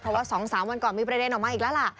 เพราะว่า๒๓วันก่อนมีประเด็นออกมาอีกแล้วล่ะ